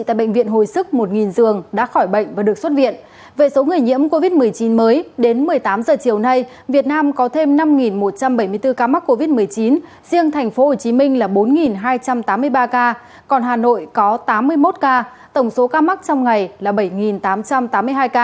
trong tám giờ chiều nay việt nam có thêm năm một trăm bảy mươi bốn ca mắc covid một mươi chín riêng tp hcm là bốn hai trăm tám mươi ba ca còn hà nội có tám mươi một ca tổng số ca mắc trong ngày là bảy tám trăm tám mươi hai ca